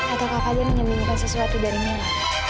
atau kapan dia menyebarkan sesuatu dari mila